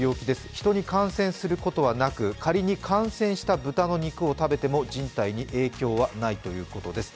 ヒトに感染することなく仮に感染した豚の肉を食べても食べても人体に影響はないということです。